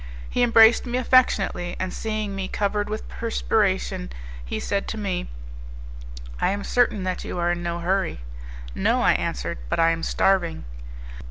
He embraced me affectionately, and seeing me covered with perspiration he said to me, "I am certain that you are in no hurry." "No," I answered, "but I am starving."